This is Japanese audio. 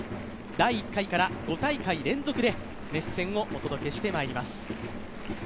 第１回から５大会連続で、熱戦をお届けしてまいります。